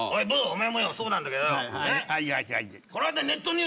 お前もよそうなんだけどよ。